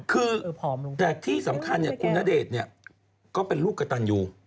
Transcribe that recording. คือแต่ที่สำคัญคุณณเดชน์เนี่ยก็เป็นลูกกระตันอยู่